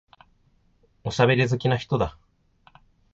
おしゃべり好きな人だ。